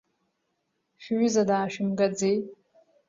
Шәҩыза даажәымгаӡеи?